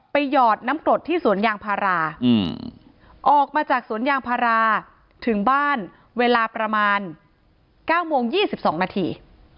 หยอดน้ำกรดที่สวนยางพาราออกมาจากสวนยางพาราถึงบ้านเวลาประมาณ๙โมง๒๒นาที